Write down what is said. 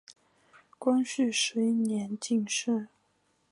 光绪十一年进士。